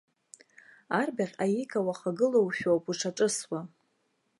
Арбаӷь аика уахагылоушәоуп ушаҿысуа.